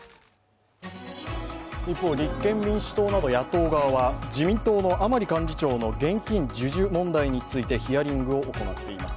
一方、立憲民主党など野党側は自民党の甘利幹事長の現金授受問題についてヒアリングを行っています。